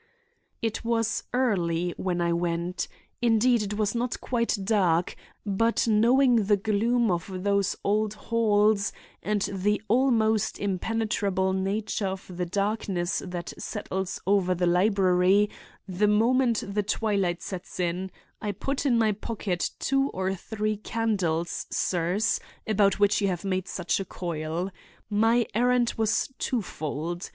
"It was early when I went; indeed it was not quite dark, but knowing the gloom of those old halls and the almost impenetrable nature of the darkness that settles over the library the moment the twilight set in, I put in my pocket two or three candles, the candles, sirs, about which you have made such a coil. My errand was twofold.